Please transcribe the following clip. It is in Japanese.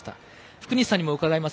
福西さんにも伺います。